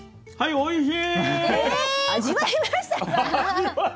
おいしい。